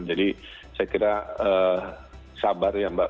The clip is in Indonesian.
jadi saya kira sabar ya mbak